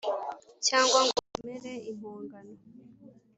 cyangwa ngo yemere impongano,